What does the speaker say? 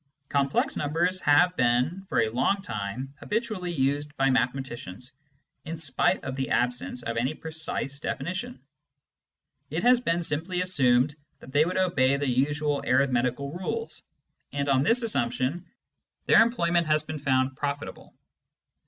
Complex numbers have been for a long time habitually used by mathematicians, in spite of the absence of any precise definition. It has been simply assumed that they would obey the usual arithmetical rules, and on this assumption their employ ment has been found profitable.